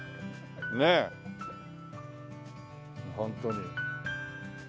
ねえホントに。